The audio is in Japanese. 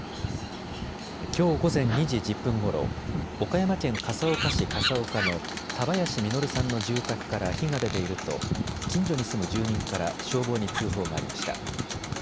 きょう午前２時１０分ごろ、岡山県笠岡市笠岡の田林稔さんの住宅から火が出ていると近所に住む住民から消防に通報がありました。